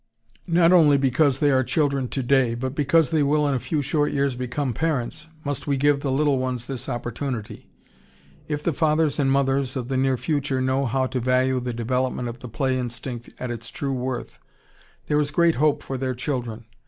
] Not only because they are children today, but because they will in a few short years become parents, must we give the little ones this opportunity. If the fathers and mothers of the near future know how to value the development of the play instinct at its true worth, there is great hope for their children.